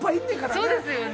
そうですよね。